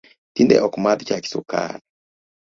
Tinde ok amadh chach sukari